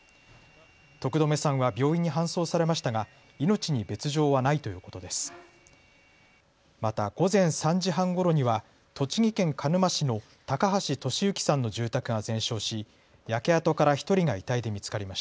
徳留さんは病院に搬送されましたが命に別状はないということです。